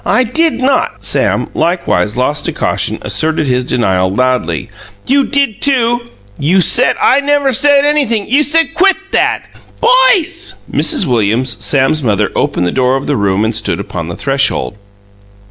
"I did not!" Sam, likewise lost to caution, asserted his denial loudly. "You did, too." "You said " "I never said anything!" "You said Quit that!" "Boys!" Mrs. Williams, Sam's mother, opened the door of the room and stood upon the threshold.